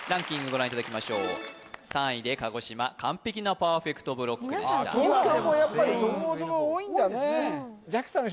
ご覧いただきましょう３位で鹿児島完璧なパーフェクトブロックでした東京もやっぱりそこそこ多いんだね